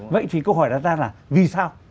vậy thì câu hỏi ra là vì sao